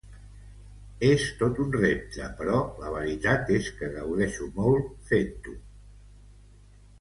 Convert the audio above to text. És tot un repte però la veritat és que gaudeixo molt fent-ho.